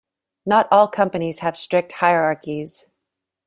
Not all companies have strict hierarchies.